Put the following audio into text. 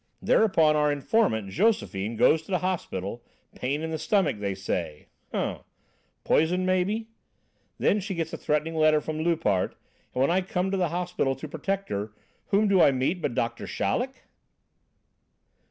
Thereupon our informant, Josephine, goes into hospital; pain in the stomach, they say hem! Poison, maybe? Then she gets a threatening letter from Loupart. And when I come to the hospital to protect her, whom do I meet but Doctor Chaleck!"